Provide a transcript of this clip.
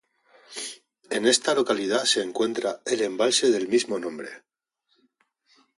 En esta localidad se encuentra el embalse del mismo nombre.